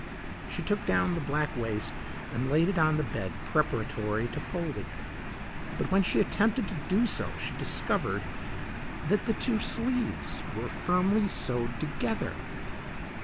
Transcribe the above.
She took down the black waist and laid it on the bed preparatory to folding it, but when she attempted to do so she discovered that the two sleeves were firmly sewed together.